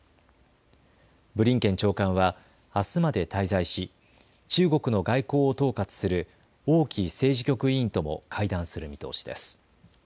ブリンケン長官はあすまで滞在し中国の外交を統括する王毅政治局委員とも会談する見通しです。